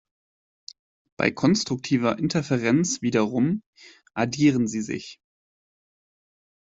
Bei konstruktiver Interferenz wiederum addieren sie sich.